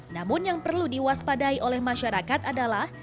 namun yang perlu diwaspadai oleh masyarakat adalah